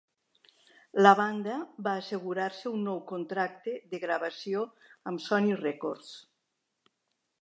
La banda va assegurar-se un nou contracte de gravació amb Sony Records.